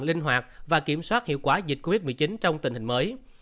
linh hoạt và kiểm soát hiệu quả dịch covid một mươi chín trong tình hình mới